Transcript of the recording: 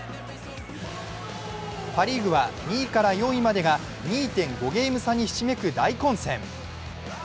パ・リーグは２位から４位までが２．５ゲーム差にひしめく大混戦。